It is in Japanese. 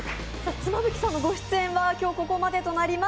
妻夫木さんのご出演はここまでとなります。